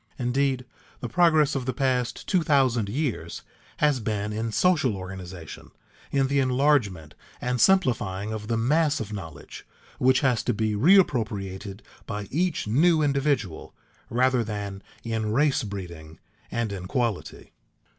Indeed, the progress of the past two thousand years has been in social organization, in the enlargement and simplifying of the mass of knowledge which has to be reappropriated by each new individual, rather than in race breeding and in quality.